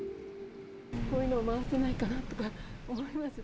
こういうのを回せないかなと思いますね。